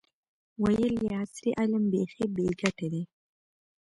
ویل یې عصري علم بیخي بې ګټې دی.